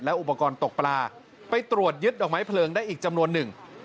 อุปกรณ์ตกปลาไปตรวจยึดดอกไม้เพลิงได้อีกจำนวนหนึ่ง